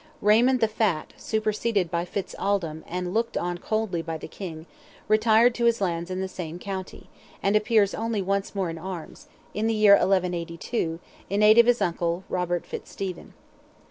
Raymond the Fat, superseded by Fitz Aldelm, and looked on coldly by the King, retired to his lands in the same county, and appears only once more in arms—in the year 1182—in aid of his uncle, Robert Fitzstephen.